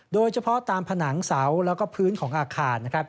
โดยเฉพาะตามผนังเสาและพื้นของอาคาร